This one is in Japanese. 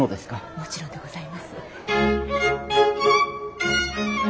もちろんでございます。